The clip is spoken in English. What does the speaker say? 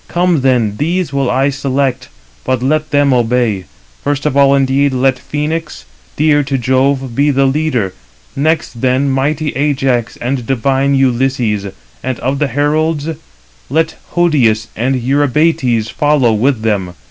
Come then, these will I select, but let them obey. First of all indeed let Phœnix, dear to Jove, be the leader; next then mighty Ajax and divine Ulysses: and of the heralds, let Hodius and Eurybates follow with them.